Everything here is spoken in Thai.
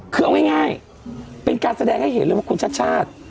คือเอาง่ายเป็นการแสดงให้เห็นเลยว่าคุณชาติชาติ